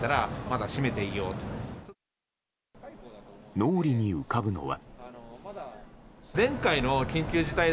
脳裏に浮かぶのは。